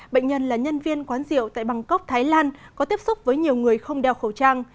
bệnh nhân là nhân viên quán rượu tại bangkok thái lan có tiếp xúc với nhiều người không đeo khẩu trang